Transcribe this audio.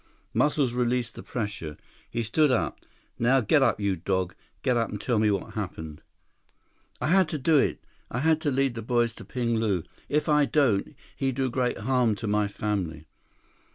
Muscles released the pressure. He stood up. "Now get up, you dog. Get up and tell me what happened." "I had to do it. I had to lead boys to Ping Lu. If I don't, he do great harm to my family."